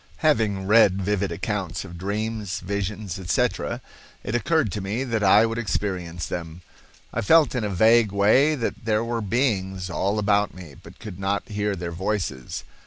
Having read vivid accounts of dreams, visions, etc., it occurred to me that I would experience them. I felt in a vague way that there were beings all about me but could not hear their voices.